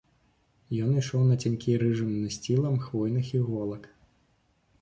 Ён ішоў нацянькі рыжым насцілам хвойных іголак.